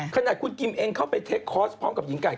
ขนาดคุณกิมเองเข้าไปเทคคอร์สพร้อมกับหญิงไก่